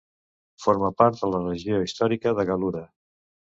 Forma part de la regió històrica de Gal·lura.